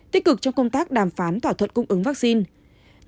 tích cực trong công tác đàm phán thỏa thuận cung ứng vaccine